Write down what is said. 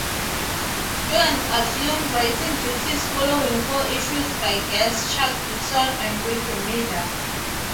Jurgens assumed writing duties following four issues by guests Chuck Dixon and Rick Remender.